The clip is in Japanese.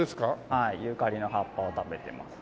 はいユーカリの葉っぱを食べてます。